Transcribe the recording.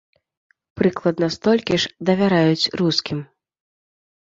Прыкладна столькі ж давяраюць рускім.